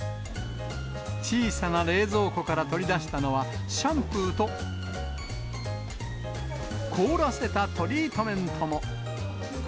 小さな冷蔵庫から取り出したのは、シャンプーと、凍らせたトリートメントも。